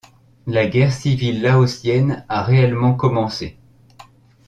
La guerre civile laotienne a réellement commencé.